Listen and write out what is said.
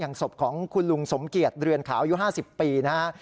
ศพของคุณลุงสมเกียจเรือนขาวอายุ๕๐ปีนะฮะ